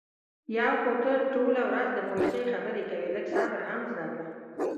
یو خو ته ټوله ورځ د مایوسی خبرې کوې. لږ صبر هم زده کړه.